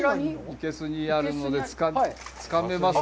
生けすにあるのでつかめますか？